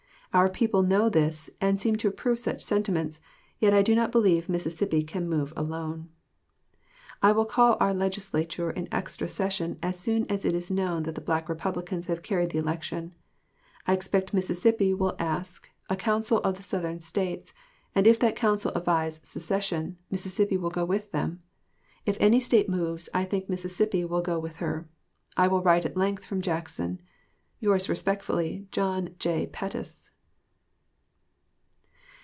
Our people know this, and seem to approve such sentiments, yet I do not believe Mississippi can move alone. I will call our Legislature in extra session as soon as it is known that the Black Republicans have carried the election. I expect Mississippi will ask a council of the Southern States, and if that council advise secession, Mississippi will go with them. If any State moves, I think Mississippi will go with her. I will write at length from Jackson. Yours respectfully, JOHN J. PETTUS. MS. Confederate Archives.